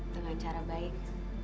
dengan cara baik